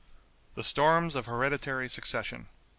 THE STORMS OF HEREDITARY SUCCESSION.